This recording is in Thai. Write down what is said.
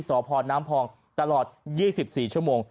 สพน้ำพองตลอด๒๔ชั่วโมง